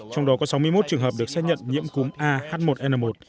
trong đó có sáu mươi một trường hợp được xác nhận nhiễm cúm ah một n một